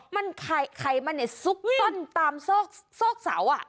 มันไข่มันเนี่ยซุกต้นตามโซ่กเสาร์อะ